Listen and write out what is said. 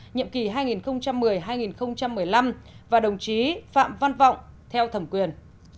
nhiệm kỳ hai nghìn một mươi hai nghìn một mươi năm và đồng chí phạm văn vọng theo thẩm quyền